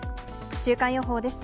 週間予報です。